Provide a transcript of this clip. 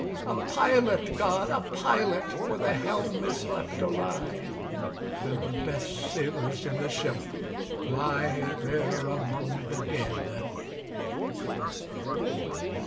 A pilot, GOD, a pilot! for the helm is left awry, And the best sailors in the ship lie there among the dead!"